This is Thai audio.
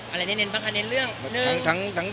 อะไรเน้นบ้างคะเน้นเรื่อง